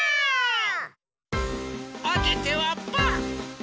おててはパー！